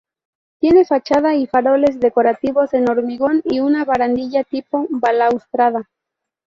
Tiene fachada y faroles decorativos en hormigón y una barandilla tipo balaustrada.